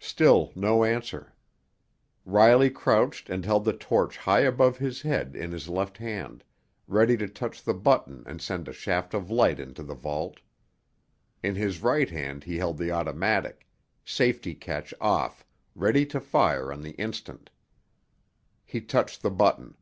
Still no answer. Riley crouched and held the torch high above his head in his left hand, ready to touch the button and send a shaft of light into the vault. In his right hand he held the automatic, safety catch off, ready to fire on the instant. He touched the button.